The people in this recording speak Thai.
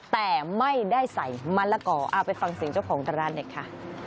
แต่ไม่ได้ใส่มะละก่อเอาไปฟังสิ่งจากตราร้านเด็กค่ะ